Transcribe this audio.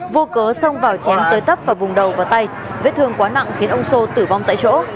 vô cớ xông vào chém tới tấp vào vùng đầu và tay vết thương quá nặng khiến ông sô tử vong tại chỗ